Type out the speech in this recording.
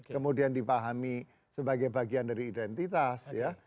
kemudian dipahami sebagai bagian dari identitas ya